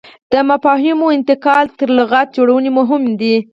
د مفاهیمو انتقال تر لغت جوړونې مهم دی.